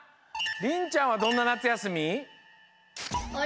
りんちゃんはどんななつやすみ？